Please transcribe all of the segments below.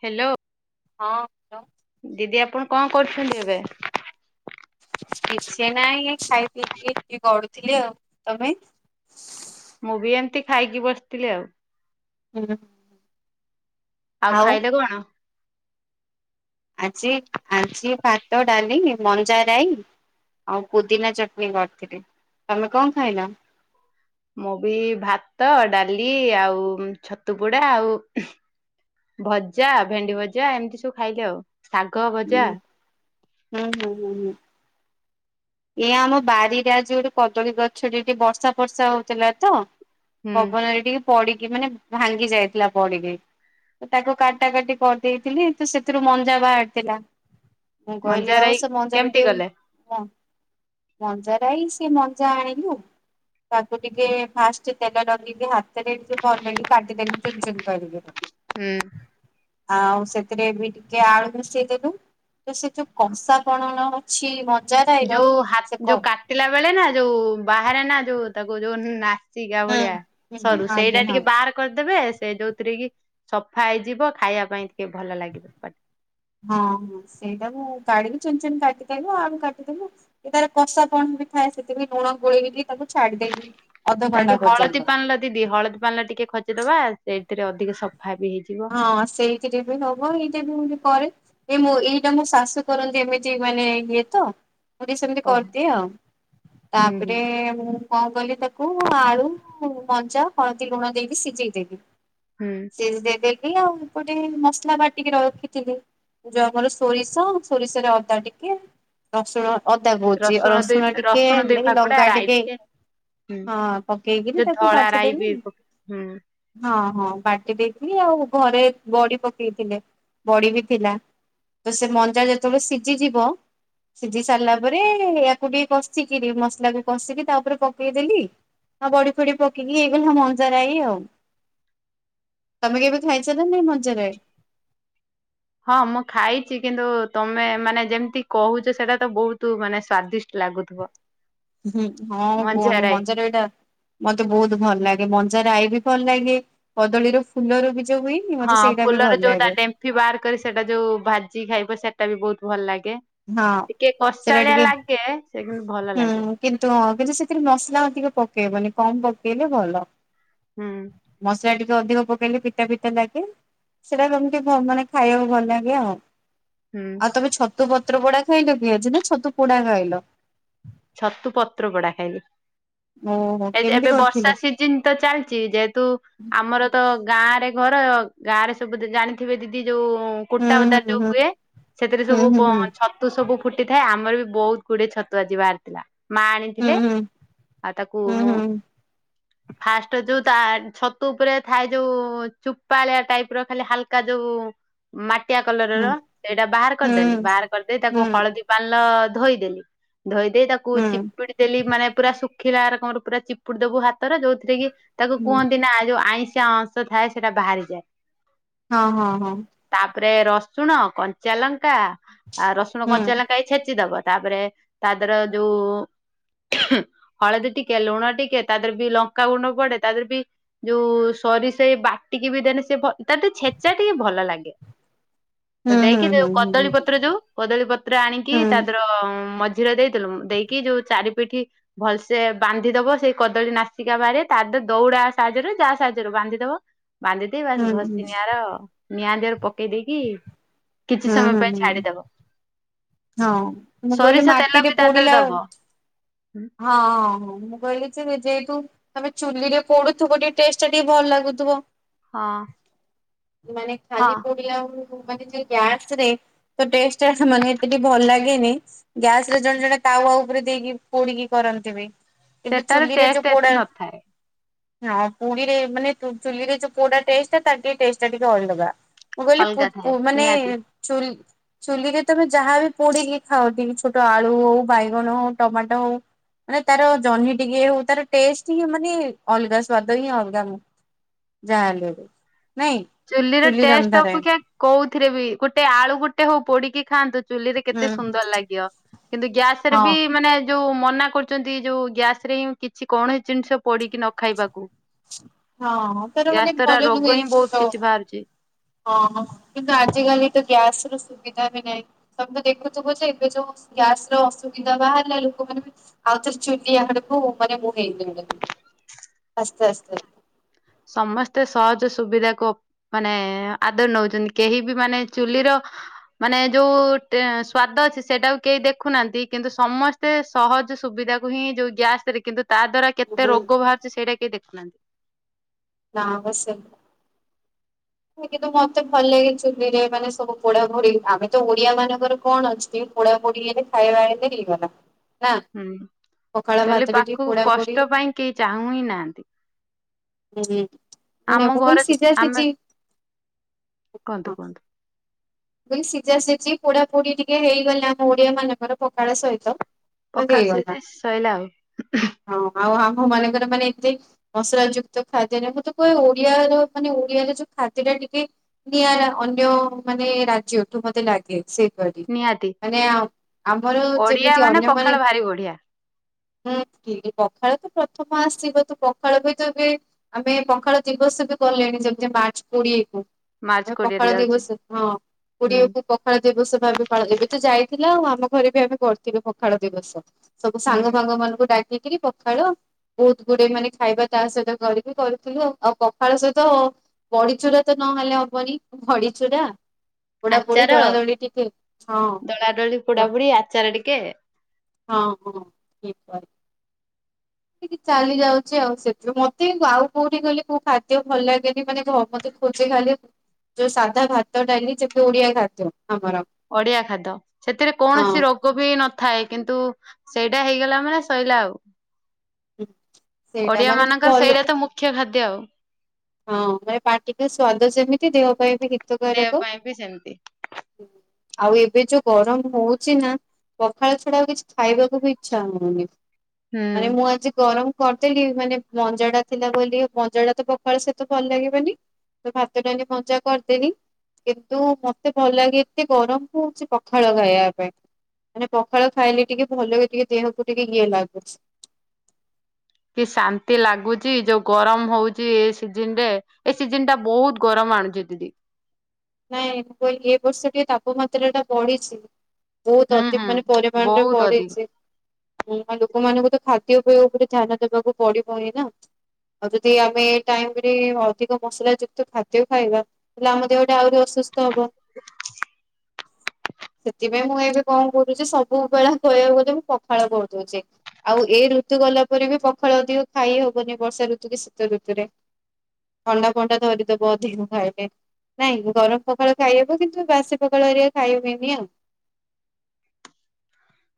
Hello ହଁ hello ଦିଦି ଆପଣ କଣ କରୁଛନ୍ତି ଏବେ? କିଛି ନାଇଁ ଏଇ ଖାଇ ପାଇକି ଟି ଗଡୁ ଥିଲି ଆଉ ତମେ ମୁଁ ବି ଏମିତି ଖାଇକି ବସଥିଲି ଆଉ। ହୁଁ ଆଉ ଖାଇଲେ କଣ? ଆଜି ଆଜି ଭାତ ଡାଲି ମଞ୍ଜାରାଇ ଆଉ ପୁଦିନା ଚଟନି କରିଥିଲି। ତମେ କଣ ଖାଇଲ? ମୁଁ ବି ଭାତ ଡାଲି ଆଉ ଛତୁ ପୋଡା ଆଉ ଭଜା ଭେଣ୍ଡି ଭଜା ଏମିତି ସବୁ ଖାଇଲେ ଆଉ। ଶାଗ ଭଜା ହୁଁ ହୁଁ ହୁଁ ହୁଁ ହୁଁ ଏଇ ଆମ ବାରିରେ ଆଜି ଗୋଟେ କଦଳୀ ଗଛ ଟେ ଟିକେ ବର୍ଷା ଫର୍ଷା ହଉଥିଲା ତ। ହୁଁ ପବନରେ ଟିକେ ପଡିକି ମାନେ ଭାଙ୍ଗି ଯାଇଥିଲା ପଡିକି ତାକୁ କାଟା କାଟି କରିଦେଇଥିଲି ତ ସେଥିରୁ ମଞ୍ଜା ବାହାରିଥିଲା। ମୁଁ ମଞ୍ଜା କହିଲି ରାଇ ଆଉ ସେ ମଞ୍ଜା ରୁ କେମିତି ଟିକେ କଲେ? କ ମଞ୍ଜାରାଇ ସେ ମଞ୍ଜା ଆଣିଲୁ ତାକୁ ଟିକେ ଫାଷ୍ଟ ତେଲ ଲଗିକି ହାତରେ ଟିକେ ଭଲକି କାଟି ଦେଲି ଚୁନ ଚୁନ କରିକି। ହୁଁ ଆଉ ସେଥିରେ ବି ଟିକେ ଆଳୁ ମିଶେଇଦଲୁ ତ ସେ ଯୋଉ କଂସା [unintelligible] ଅଛି ମ [unintelligible] କୁ ହାତ ଯୋଉ କାଟିଲା ବେଳେ ନା ଯୋଉ ବାହାରେ ନା ଯୋଉ ତାକୁ ଯୋନ ନା ସିଗା ହୁଁ। ଭଳିଆ ହୁଁ ସରୁ ଆଜ୍ଞା ସେଇଟା ହଁ ଟିକେ ବାହାର କରିଦେବେ। ସେ ଯୋଉଥିରେ କି ସଫା ହେଇଯିବ ଖାଇବା ପାଇଁ। ଟିକେ ଭଲ ଲାଗିବ ପାଟି ହଁ ହଁ ସେଇଟା ମୁଁ କାଢିକି ଚୁନ ଚୁନ କାଟିଦେବ ଆଉ କାଟିଦେଲୁ ଏ ତାର କଷା ପଣ୍ଡ ବି ଥାଏ ସେଥିି ଲୁଣ ଗୋଳେଇକ ତାକୁ ଛାଡିଦେବି। ତା ଅଧଘଣ୍ଟା ଦି ପର୍ଯ୍ୟନ୍ତ ହଳଦୀ ପାଣି ଦିଦି ହଳଦୀ ପାଣିରେ ଟିକେ ଖଜିଦବା। ସେଇଥିରେ ଅଧିକ ଶ ହଁ ସେଇଥିରେ ବି ହବ ଏଇଟା ବି ମୁଁ କରେ ଏ ମଁ ଏଇଟା ମୋ ଶାଶୁ କରନ୍ତି ଏମିତି ମାନେ ଇଏ ତ? ମୁଁ ବି ସେମିତି ଓହୋ କରିଦିଏ ଆଉ ହୁଁ ହୁଁ ତାପରେ ମୁଁ କଣ କହିଲେ ତାକୁ ଆଳୁ ମଞା ହଳଦୀ ଲୁଣ ଦେଇକି ସିଝେଇ ଦେବି। ହୁଁ ସେ ଯଦିଦେବେ ବି ଆଉ ଗୋଟେ ମସଲା ବାଟ ଟିକେ ରଖିଥିଲି ଯୋଉ ଆମର ସୋରିଷ ସୋରିଷରେ ଅଦା ଟିକେ ରସୁଣ ଅଦା କହୁଚି ଦୁଇ ରସୁଣ ଟିକେ ରସୁଣ ଦୁଇ ହେଲେ ଫାକୁଡା ଲଙ୍କା ରାଇ ଟିକେ ହୁଁ ହଁ ପକେଇକିରି ଯୋଉ ତାକୁ ଧଳା ରାଇ ବି ବାଟିଦେଲି ପକେ ହୁଁ ହଁ‌। ହଁ ବାଟି ଦେଇଥିଲି ଆଉ ଘରେ ବଡି ପକେଇଥିଲେ ବଡି ବି ଥିଲା ତ ସେ ମଞ୍ଜା ଯେତେବେଳେ ସିଝିଯିବ ସିଝି ସାରିଲା ପରେ ୟାକୁ ଟିକେ କଷିକିରି ମସଲାକୁ କଷିକି ତା ଉପରେ ପକେଇଦେଲି ଆ ବଡି ଫଡି ପକେଇକି ହେଇଗଲା ମଞ୍ଜାରାଇ ଆଉ ତମେ କେବେ ଖାାଇଚ ନା ନାଇଁ ମଞା ରାଇ? ହଁ ମୁଁ ଖାଇଛି କିନ୍ତୁ ତମେ ମାନେ ଯେମିତି କହୁଛ ସେଟା ତ ବହୁତ ମାନେ ସ୍ଵାଦିଷ୍ଟ ଲାଗୁଥିବ। ହ ହଁ ମଞ୍ଜା କୁହନି ରାଇ। ମଞାରାଇଟା ମତେ ବହୁତ ଭଲ ଲାଗେ ମ ଞା ରାଇ ବି ଭଲ ଲାଗେ କଦଳୀର ଫୁଲରୁ ବି ଯୋଉ ହୁଏନି ମତେ ହଁ ସେଇଟା ବି ଭଲ ଫୁଲର ଯୋଉ ତା ଲାଗେ ଡେମ୍ଫି ବାହାର କରି ସେଟା ଯୋଉ ଭାଜି ଖାଇବ ସେଇଟା। ବି ବହୁତ ଭଲ ଲାଗେ। ହଁ ଟିକେ ସେଟା କଷାଳିଆ ଟିକେ ଲାଗେ ସେ କିନ୍ତୁ ଭଲ ଲାଗେ ହୁଁ କିନ୍ତୁ କିଛି ସେଥିରେ ମସଲା ଅଧିକ ପକେଇବନି। କମ୍ ପକେଇଲେ ଭଲ। ହୁଁ ମଶଲା ଟିକେ ଅଧିକ ପକେଇଲେ ପିତା ପିତା ଲାଗେ ସେଇଟା ଏମତି ମାନେ ଖାଇବାକୁ ଭଲ ଲାଗେ ଆଉ। ହୁଁ ଆଉ ତମେ ଛତୁ ତୁ ପତ୍ର ପୋଡା ଖାଇଲ କି ଅଜି ନା ଛତୁ ପୋଡା ଖାଇଲ? ଛତୁ ପତ୍ର ଗଢା ଖାଇଲି। ଓହୋ ଏ କେମିତି ଏବେ କରିଥିଲ? ବର୍ଷା ସିଜିନ ତ ଚାଲିଛି ଯେହେତୁ ଆମର ତ ଗାଁରେ ଘର ଗାଁରେ ସବୁ ଜାଣିଥିବେ ଦିଦି। ଯୋଉ ହୁଁ କୁଟା ହୁଁ ବଦାରି ଯୋଉ ହୁଁ ହୁଏ ସେଥିରେ ହୁଁ ହୁଁ ସବୁ ହୁଁ ଛତୁ ସବୁ ଫୁଟି ଥାଏ ଆମର ବି ବହୁତ ଗୁଡ଼ିଏ ଛତୁ ଆଜି ବାହାରି ଥିଲା। ଥିଲା। ମା ହୁଁ ଆଣିଥିଲେ ହୁଁ। ଆଉ ତାକୁ ହୁଁ ମୁଁ ହୁଁ ଫାଷ୍ଟ ଯୋଉ ତା ଛତୁ ଉପରେ ଥାଏ ଯୋଉ ଚୁପାଳିଆ ଟାଇପ ର ଖାଲି ହାଲକା ଯୋଉ ମାଟି ଟିଆ ହୁଁ କଲରର ସେଇଟା ବାହାର କରିଦେଲି ହୁଁ ବାହାର କରିଦେଇ ତାକୁ ହୁଁ ହଳଦୀ ପାଣିରେ ଧୋଇଦେଲି ଧୋଇଦେଇ କୁ ହୁଁ ଚିପୁଡ଼ି ଦେଲି ମାନେ ପୁରା ଶୁ ଖିଲାରମର ପୁରା ଚିପୁଡ଼ି ଦବୁ ହାତର ଯୋଉଥିରେ କି ତାକୁ ହୁଁ କୁହନ୍ତି ନା ଯୋଉ ଆଇଁଷ ଚାଶ ଥାଏ ସେଟା ବାହାରିଯାଏ। ହଁ ହଁ ହଁ ତାପରେ ରସୁଣ କଞ୍ଚାଲଙ୍କା ଆଉ ରସୁଣ ହୁଁ କଞ୍ଚାଲା ଖାଇ ଛଚିଦବା ତାପରେ ତା ଦେର ଯୋଉ ହଳଦୀ ଟିକେ ଲୁଣ ଟିକେ ତା ଦେହ ବି ଲଙ୍କାାଗୁଣ୍ଡ ପଡେ ତା ଦେହରେ ବି ଯୋଉ ସରିଷେଇ ବାଟିକି ବି ଦେଲେେ ସେ ତା ଛେଚା ଟିକେ ଭଲ ଲାଗେ। ତ ହୁଁ ଦେଇକି ହୁଁ ଯୋଉ ହୁଁ ହୁଁ ହୁଁ ହୁଁ ହୁଁ ହୁଁ ହୁଁ କଦଳୀ ପତ୍ର ଯୋଉ କଦଳୀ ପତ୍ର ଆଣିକି ତା ଦେହ ମ [unintelligible] ଥିଲ ଦେଇକି ଯୋଉ ଚାରି ପିଠି ଭଲସେ ବାନ୍ଧି ଦବ ସେଇ କଦଳୀ ନାସିକା ବାହାରେ ତା ଦେହରେ ଦୌଡା ସାହାଯ୍ୟରେ ଯାହା ସାହାଯ୍ୟରେ ବାନ୍ଧିଦବ। ବାନ୍ଧିଦିଏ ବାସ ଘଷି ନିିଆର ନିଆଁ ଦେହରେ ପକେଇ ଦେଇକି କିଛି ସମୟ ହୁଁ ପାଇଁ ହୁଁ ଛାଡିଦବ। ହଁ ମୁକଇଲି ସୋରିଷ ତେଲ ମାଟିରେ ବି ତା ଦେହରେ ପଡ଼ିିଲ ଦବ ହଁ ଓଁ ହୋ ମୁଁ କହିଲି ଯେ ଯେଇୁ ତମେ ଚୁଲି ରେ ପୋଡୁଥିବ ଟିକେ ଟେଷ୍ଟ ଟା ଟିକେ ଭଲ ଲାଗୁଥିବ। ହଁ। ମାନେ ଖାଲି ହଁ ପଡିଲା ହଉ ମୁଁ କହିଲି ଯେ ଗ୍ୟାସରେ ତ ଟେଷ୍ଟ ଆ ମାନେ ସେଠି ଭଲ ଲାଗେନି ଗ୍ୟାସ ରେ ଜଣେ ଜଣେ ତାୱ ଉପରେ ଦେଇକି ପୋଡିକି କରନ୍ତି ବି। କିନ୍ତୁ ସେଟାର ଚୁଲିରେ ଯୋଉ ଟେଷ୍ଟ ଏତେ ପୋଡା ନଥାଏ। ହଁ ପୁଡ଼ିଲେ ମାନେ ଚୁଲିରେ ଯୋଉ ପୋଡା ଟେଷ୍ଟ ଟେ ଟେଷ୍ଟ ଟା ଟିକେ ଅଲଗା। ମୁଁ କହିଲ ଅଲଗା ଥାଏ ପୁୁ ମାନେ ନିହାତି। ଚୁଲି ଚୁଲିରେ ତମେ ଯାହା ବିି ପୋଡିକି ଖାଉ ଟ ଛୋଟ ଆଳୁ ହଉ ବାଇଗଣ ହଉ ଟମାଟୋ ହଉ ମାନେ ତାର ଜହ୍ନି ଟିକେ ହଉ ତାର ଟେଷ୍ଟ ହିଁ ମାନେ ଅଲଗା ସ୍ଵାଦ ହିଁ ଅଲଗା ଯାହାହେଲେ ବି। ନାଇଁ ଚୁଲି ର ଟେଷ୍ଟ ଅପେକ୍ଷା କୋଉଥିରେ ବି ଗୋଟେ ଆଳୁ ଗୋଟେ ହଉ ପୋଡିକି ଖାଆନ୍ତୁ। ଚୁଲିରେ କେତେ ହୁଁ ସୁନ୍ଦର ଲାଗିବ। କିନ୍ତୁ ଗ୍ୟାସ ରେ ହଁ ବି ମାନେ ଯୋଉ ମନା କରୁଛନ୍ତି ଯୋଉ ଗ୍ୟାସ ରେ ହିଁ କିଛି କୌଣସି ଜିନିଷ ପଡିକି ନ ଖାଇବାକୁ। ହଁ ତାର ଗ୍ୟାସ ମାନେ ଦ୍ଵାରା ଭଲ ରୋଗ ନୁହେଁ ହିଁ ସେ ବହୁତ କିଛି ବାହାରୁଚି। ହଁ କିନ୍ତୁ ଆଜ କାଲି ତ ଗ୍ୟାସ ର ସୁବିଧା ବି ନାହିଁ ତମେ ତ ଦେଖୁଥିବ ଯେ ଏବେ ଯୋଉ ଗ୍ୟାସ ର ଅସୁବିଧା ବାହାରିଲା ଲୋକମାନୋନ ବି ଆଉଥରେ ଚୁଲିଆ ଆଡକୁ ମାନେ ମୁଁ ହେଇଲେଣି ଆସ୍ତେ ଆସ୍ତେ। ସମସ୍ତେ ସହଜ ସୁବିଧାକୁ ମାନେ ଆଦର ନଉଛନ୍ତି କେହି ବି ମାନେ ଚୁଲିର ମାନେ ଯୋଉ ସ୍ଵାଦ ଅଛି ସେଇଟାକୁ କେହି ଦେଖୁନାହାନ୍ତି କିନ୍ତୁ ସମସ୍ତେ ସହଜ ସୁବିଧାକୁ ହିଁ ଯୋଉ ଗ୍ୟାସ ରେ କିନ୍ତୁ ତା ଦ୍ଵାରା କେତେ ହୁଁ। ରୋଗ ବାହାରୁଛି ସେଇଟା କେହି ଦେଖୁନାହାନ୍ତି। ନା ବ ସେ କିନ୍ତୁ ମତେ ଭଲ ଲାଗେ ଚୁଲିରେ ମାନେ ସବୁ ପୋଡାପୋଢ ଆମେ ତ ଓଡିଆ ମାନଙ୍କର କଣ ଅଛି ପୋଡା ପୋଢଡି ହେଇଲେ ଖାଇବା ହେଲେ ହେଇଗଲା। ନା ହୁଁ ପଖାଳ ଚୁଲି ଭାତରେ ଟିକେ ପାଖକୁ ପୋଡା ପୋଡି କଷ୍ଟ ପାଇଁ କେହି ଚାହୁଁ ହିଁ ନାହାନ୍ତି। [unintelligible] ଆମ ମୁଁ କହିଲି ଘରେ ସିଝା ଆମେ ସିଝି କୁହନ୍ତୁ କୁହନ୍ତୁ। ବ ସିଝା ସିଝି ପୋଡା ପୋଡି ଟିକେ ହେଇଗଲେ ଆମ ଓଡିଆ ମାନଙ୍କର ପକାଳା ସହିତ ତ ପଖାଳ ହେଇଗଲା। ସହିତ ଶୋଇଲା ଆଉ ମୋ ମାନଙ୍କର ମାନେ ଏତେ ମସଲା ଯୁକ୍ତ ଖାଦ୍ୟ ନହି ମୁଁ ତ କୁହେ ଓଡିଆର ମାନେ ଓଡିଆର ଯୋଉ ଖାଦ୍ୟ ଟା ଟିକେ ନିଆରା ଅନ୍ୟ ମାନେ ମାନେ ରାଜ୍ୟଠୁ ମୋତେ ଲାଗେ ସେ ନିହାତି ମାନେ ଆ-ଆମର ଓଡିଆ ଯେମିତି ମାନେ ଅନ୍ୟମାନେ ପଖାଳ ଭାରି ବଢିଆ ହୁଁ କି ପଖାଳ ତ ପ୍ରଥମ ଆସିବ ତୁ ପଖାଳ ବି ତୁ ବି ଆମେ ପଖାଳ ଦିବସ ବି କଲେଣି ଯେମିତି ମାର୍ଚ୍ଚ କୋଡିଏ କ ମାର୍ଚ୍ଚ କୋଡିଏରେ ଯାଉଚି ହଁ କୋଡିଏକୁ ପଖାଳ ଦିବସ ଭାବେ ପାଳାଯାଏ ଏବେ ତ ଯାଇଥି ଲା ଆଉ ଆମ ଘରେ ବି ଏବେ କରିଥିବେ ପଖାଳ ଦିବସ ସବୁ ସାଙ୍ଗ ହୁଁ ଫାଙ୍ଗ ମାନଙ୍କୁ ଡାକି ଟିକେ ପଖାଳ ବହୁତ ଗୁଡେ ମାନେ ଖାଇବା ତା ସହିତ କରିକି କରିୁଥୁଲୁ ଆଉ ପଖାଳ ସହିତ ବଡିଚୁରା ତ ନହେଲେ ହବନି ଭଡିଚୁରା ପୋଡା ପୋଡି ଆଚାର ଦୋଳା ଦୋଳି ଟିକେ ହଁ ଦଳା ଦଳି ପୋଡା ବଡ଼ି ପୋଡି ଆଚାର ଟିକେ। ହଁ ହଁ ଠ ଚାଲି ଯାଉଚି ଆଉ ସେଥିରୁ ମତେ ଆଉ କୋଉଠି କଲେ କୋଉ ଖାଦ୍ୟ ଭଲ ଲାଗେନି ମାନେ ମତେ ଖୋଜେ ଖାଲେ ଯୋଉ ସାଧା ଖାତ ଡାଲି ଯେତେ ଓଡିଆ ଖାଦ୍ୟ ଆମର ଅଡିଆ ଖାଦ ସେତିରେ ହଁ କୌଣସି ରୋଗ ବି ନ ଥାଏ କିନ୍ତୁ ସେଇଟା ହେଇଗଲା ମାନେ ଶୋଇଲା ଆଉ ହୁଁ। ସେଇଟା ଓଡିଆ ମାନେ ମାନଙ୍କର ଭଲ ସେଇରା ତ ମୁଖ୍ୟ ଖା ଦ୍ୟ ଆଉ। ହଁ ପାଟିିକ ସ୍ଵାଦ ଯେମିତି ଦେହ ପାଇଁ ଦେହ ହିତକାରକ ପାଇଁ ବି ସେମିତି ହୁଁ। ଆଉ ଏବେ ଯୋଉ ଗରମ ହଉଚି ନା ପଖାଳ ଛଡା ଆଉ କିଛି ଖାଇବାକୁ ବି ଇଚ୍ଛା ହଉନି ହୁଁ। ମାନେ ମୁଁ ଆଜି ଗରମ କରିଦେଲି ମାନେ ମଞ୍ଜା ଟା ଥିଲା ବୋଲି ମଞ୍ଜା ତ ପ ପଖାଳ ସଇତ ଭଲ ଲାଗିବନି ତ ଭାତ ଟାନେ ମଞ୍ଜା କରିଦେନି କିନ୍ତୁ ମତେ ଭଲ ଲାଗେ ଏତେ ଗରମ ହଉଚି ପଖାଳ ଖାଇବା ପାଇଁ ମାନେ ପଖାଳ ଖାଇଲେ ଟିକେ ଭଲ ଲେ ଟିକେ ଦେହକୁ ଟିକେ ଇଏ ଲାଗୁଛି। କି ଶାନ୍ତି ଲାଗୁଚି ଯୋଉ ଗରମ ହଉଚି ଏ ସିଜିନ ରେ ଏ ସିଜିନ ଟା ବହୁତ ଗରମ ଆଣୁଚି ଦିଦି। ନାଇଁ ମୁଁ କଇଲି ଏ ବର୍ଷ ଟିକେ ତାପମାତ୍ରା ଟା ବଢିଛି। ବହୁତ ହୁଁ ଅତି ହୁଁ ମାନେ ପରିମାଣରେ ବହୁତ ଅଧିକ। ବଢିଛି। ହଁ ଲୋକମାନଙ୍କୁ ତ ଖାଦ୍ୟ ଉପୟ ଉପରେ ଧ୍ୟାନ ଦେବାକୁ ପଡିବ ହିଁ ନା ଆଉ ଯଦି ଆମେ ଟାଇମ ରେ ଅଧିକ ମସଲା ଯୁକ୍ତ ଖାଦ୍ୟ ଖାଇବା ତାହେଲେ ଆମ ଦେହ ଆହୁରି ଅସୁସ୍ଥ ହବ ସେଥିପାଇଁ ମୁଁ ଏବେ କଣ କରୁଚି ସବୁବେଳେ କହିବାକୁ ଗଲେ ମୁଁ ପଖାଳ କରିଦଉଛି ଆଉ ଏଇ ଋତୁ ଗଲା ପରେରେ ବି ପଖାଳ ଅଧିକ ଖାଇ ହବନି ବର୍ଷା ଋତୁ କି ଶୀତ ଋତୁରେ ଥଣ୍ଡା ଫଣ୍ଡା ଧରିଦବ ଅଧିକ ଖାଇଲେ ନାଇଁ ଗରମ ପଖାଳ ଖାଇହବ କିନ୍ତୁ ବାସି ପଖାଳ ଏରିଆ ଖାଇହୁଏନି ଆଉ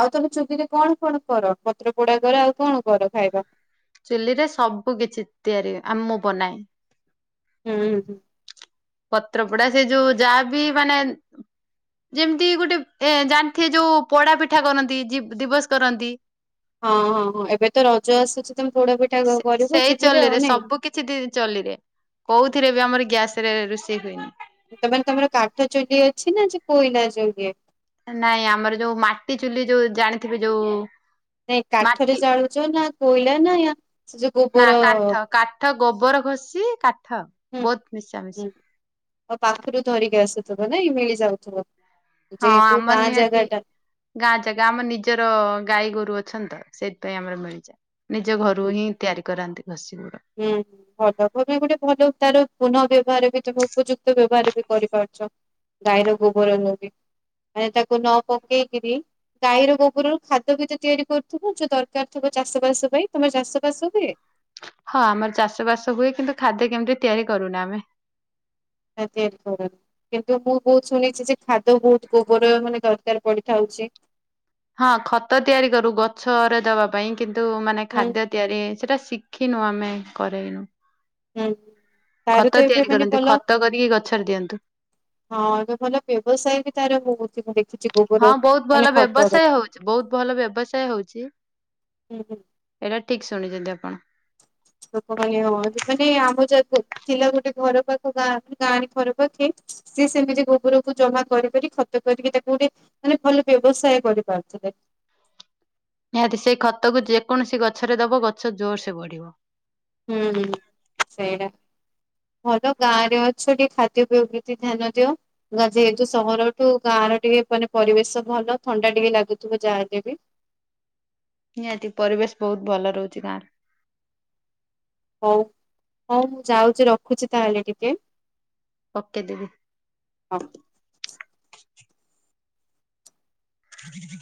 ଆଉ ତମେ ଚୁଲିରେ କଣ କଣ କର ପତ୍ର ପୋଡା କର ଆଉ କଣ କର ଖାଇବା? ଚୁଲିରେ ସବୁ କିଛି ତିଆରି ହୁଏ। ଆଉ ମୁଁ ବନାଏ। ହୁଁ ହୁଁ। ପତ୍ରପଡା ସେ ଯୋଉ ଯାହା ବି ମାନେ ଯେମିତି ଗୋଟେ ଏ ଜାଣିଥିଏ ଯୋଉ ପୋଡା ପିଠା କରନ୍ତି ଦିବସ କରନ୍ତି। ହଁ ହଁ ହଁ ଏବେ ତ ରଜ ଆସୁଚି ତମେ ପୋଡା ପିଠା ସେ କରିବ ସେଇ ଚଲିରେ ଆଉ ସବୁ କିଛି ଦି ନାଇଁ। [unintelligible] ସେଇ ହୁଏନି। ତ ମାନେ ତମର କାଠ ଚୁଲି ଅଛି ନା ସେ କୋଇଲା ଚୁଲି? ନାଇଁ ଆମର ଯୋଉ ମାଟି ଚୁଲି ଯୋଉ ଜାଣିଥିବେ ଯୋଉ ନାଇ ମାଟି କାଠରେ ଜାଳୁଛ ନା କୋଇଲା? ଗେନ ନା ଇଆ ସେ ଯୋଉ ନା ଗୋବର କାଠ କାଠ ଗୋବର ଘଷି ହୁଁ ବହୁତ ମିଶାମିଶି। ହଁ ଆଉ ପାଖରୁ ଧରିକି ଆସୁଛି। ଥ ବନାଇ ମିଳିଯାଉଥିବ ହଁ ଯେହେତୁ ଆମର ଗାଁ ନିହାତି ଜାଗା ଟା ଗାଁ ଜାଗା ଆମ ନିଜର ଗାଈ ଗୋରୁ ଅଛି। ଅଛନ୍ ତ ସେଥିପାଇଁ ଆମର ମିଳିଯାଏ। ନିଜ ଘରୁ ହିଁ ତିଆରି କରନ୍ତି ନାସିଁବ ହୁଁ ହୁଁ ଭଲ ତମ ଗୋଟେ ଭଲ ତାର ଗୁପୁନଃ ବ୍ୟବହାର ବି ତମ ଉପଯୁକ୍ତ ବ୍ୟବହାର ବି କରିପାରୁଛ ଗାଈର ଗୋବର ନିହତି। ମାନେ ତାକୁ ନ ପକେଇକିରି ଗାଈର ଗୋବରରୁ ଖାଦ୍ୟ ବିଜ ତିଆରି କରୁଥିବ ଯୋଉ ଦରକାର ଥିବ। ଚାଷ ବାସ ପାଇଁ ତମ ଚାଷ ବାସ ହୁଏ? ହଁ ଆମର ଚାଷ ବାସ ହୁଏ କିନ୍ତୁ ଖାଦ୍ୟ କେମିତି ତିଆରି କରୁନା ଆମେ ତିଆରି କରନ କିନ୍ତୁ ମୁଁ ବହୁତ ଶୁଣିଛି ଯେ ଖାଦ୍ୟ ବହୁତ ଗୋବର ମାନେ ଦରକାର ପଡିଥାଉଛି ହଁ ଖତ ତିଆରି କରୁ ଗଛରେ ଦବା ପାଇଁ କିନ୍ତୁ ମାନେ ହୁଁ ଖାଦ୍ୟ ତିଆରି ସେଟା ଶିଖିନୁ ଆମେ କରେଇନୁ। ହୁଁ। ତାର ଖତ ତ ଏବେ ତିଆରି ମାନେ କରନ୍ତି ଭଲ ଖତ କରିକି ଗଛରେ ଦିଅନ୍ତୁ ହଁ ଏବେ ଭଲ ବ୍ୟବସାୟ ବି ତାର ହଉଛି ମୁଁ ଦେଖିଛି ହଁ ଗୋବର ବହୁତ ମାନେ ଭଲ ଖତର ବ୍ୟବସାୟ ହଉଛି ବହୁତ ଭଲ ବ୍ୟବସାୟ ହଉଛି ହୁଁ ହୁଁ ଏଇଟା ଠିକ ଶୁଣିଛନ୍ତି ଆପଣ। ଲୋକମାନେ ଆମ ଯ ଥିଲା ଗୋଟେ ଘର ପାଖ ଗାଁ ଗାଁରେ ଘର ପାଖେ ସିଏ ସେମିତି ଗୋବରକୁ ଜମା କରିିକ ଖତ କରିକି ତାକୁ ଗୋଟେ ମାନେ ଭଲ ବ୍ୟବସାୟ କରିପାରୁଥିଲେ। ନିହାତି ସେହି ଖତକୁ ଯେକୌଣସି ଗଛରେ ଦବ ଗଛ ଜୋରସେ ବଢ଼ିବ। ହୁଁ ହୁଁ ସେଇଟା ଭଲ ଗାଁ ରେ ଅଛ ଟିକେ ଖାଦ୍ୟପେୟ ପ୍ରତି ଧ୍ୟାନ ଦିଅ ଯେହେତୁ ସହରଠୁ ଗାଁର ଟିକେ ମାନେ ପରିବେଶ ଭଲ ଥଣ୍ଡା ଟିକେ ଲାଗୁଥିବ ଯାହା ହେଲେ ବି। ନିହାତି ପରିବେଶ ବହୁତ ଭଲ ରହୁଛି ଗାଁରେ। ହଉ ହଉ ମୁଁ ଯାଉଛି ରଖୁଛି ତାହେଲେ ଟିକେ? ଓକେ ଦେବି ହଉ। [unintelligible] [unintelligible]